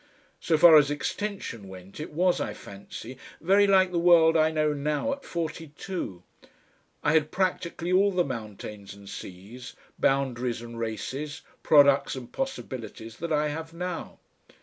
So far as extension went it was, I fancy, very like the world I know now at forty two; I had practically all the mountains and seas, boundaries and races, products and possibilities that I have now.